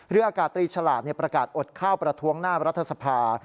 อากาศตรีฉลาดประกาศอดข้าวประท้วงหน้ารัฐสภา